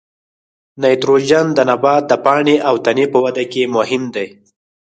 نایتروجن د نبات د پاڼې او تنې په وده کې مهم دی.